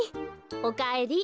おかえり。